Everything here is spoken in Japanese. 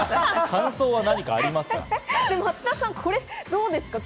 どうですか？